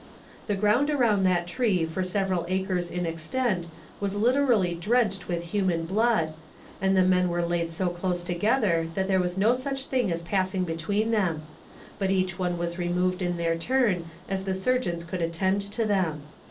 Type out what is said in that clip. The ground around that tree for several acres in extent was literally drenched with human blood, and the men were laid so close together that there was no such thing as passing between them; but each one was removed in their turn as the surgeons could attend to them.